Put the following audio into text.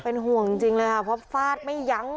เป็นห่วงจริงเลยค่ะเพราะฟาดไม่ยั้ง